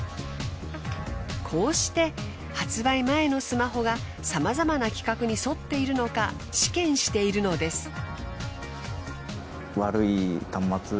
こうして発売前のスマホが様々な規格に沿っているのか試験しているのです。